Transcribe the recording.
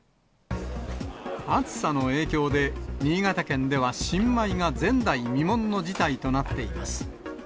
暑さの影響で、新潟県では新米が前代未聞の事態となっています。